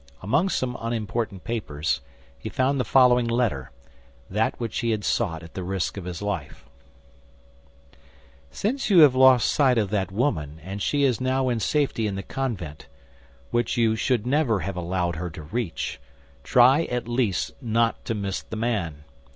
Among some unimportant papers he found the following letter, that which he had sought at the risk of his life: "Since you have lost sight of that woman and she is now in safety in the convent, which you should never have allowed her to reach, try, at least, not to miss the man.